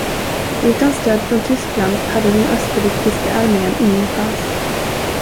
Utan stöd från Tyskland hade den österrikiska armén ingen chans.